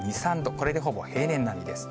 これでほぼ平年並みです。